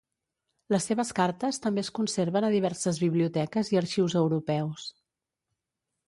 Les seves cartes també es conserven a diverses biblioteques i arxius europeus.